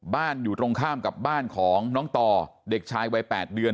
อยู่ตรงข้ามกับบ้านของน้องต่อเด็กชายวัย๘เดือน